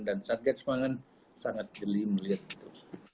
dan satgas pangan sangat geli melihat itu